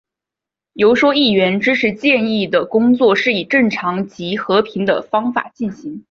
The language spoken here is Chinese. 游说议员支持建议的工作是以正常及和平的方法进行。